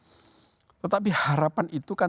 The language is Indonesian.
tetapi harapan itu kan tidak seperti apa yang dikatakan